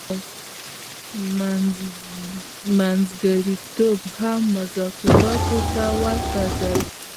منځګړتوب هم مذاکراتو ته ورته دی.